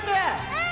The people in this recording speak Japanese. うん！